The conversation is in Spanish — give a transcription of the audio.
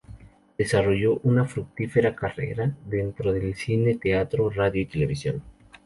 Desarrolló una fructífera carrera dentro del cine, teatro, radio y televisión.